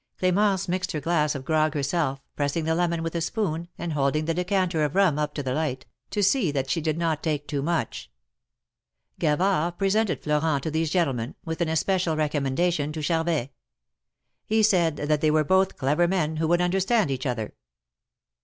Cl4mence mixed her glass of grog herself, pressing the lemon with a spoon, and holding the decan ter of rum up to the light, to see that she did not take too much. Gavard presented Elorent to these gentlemen, with an especial recommendation to Charvet. He said that they were both clever men, who would understand each other.